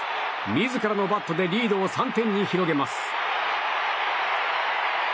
自らのバットでリードを３点に広げます。